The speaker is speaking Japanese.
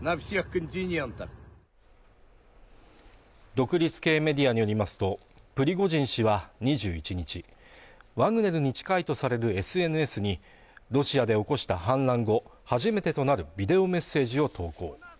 独立系メディアによりますとプリゴジン氏は２１日ワグネルに近いとされるＳＮＳにロシアで起こした反乱後初めてとなるビデオメッセージを投稿